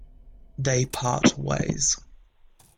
They part ways.